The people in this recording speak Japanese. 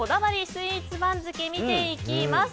スイーツ番付を見ていきます。